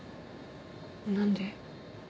何で？